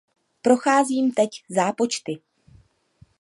Procházím teď zápočty.